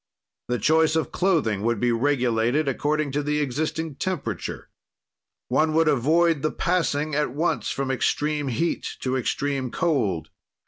"The choice of clothing would be regulated according to the existing temperature. "One would avoid the passing at once from extreme heat to extreme cold.